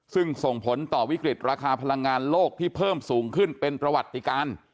ซึ่งส่งผลต่อวิกฤตราคาพลังงานโลกที่เพิ่มสูงขึ้นเป็นประวัติการ